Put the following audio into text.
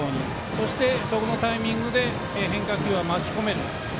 そして、そのタイミングで変化球は巻き込める。